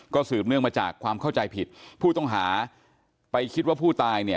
สืบเนื่องมาจากความเข้าใจผิดผู้ต้องหาไปคิดว่าผู้ตายเนี่ย